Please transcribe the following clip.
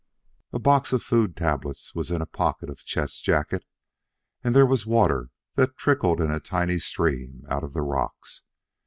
A box of food tablets was in a pocket of Chet's jacket, and there was water that trickled in a tiny stream out of the rocks.